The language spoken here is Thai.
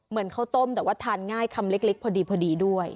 ข้าวต้มแต่ว่าทานง่ายคำเล็กพอดีด้วย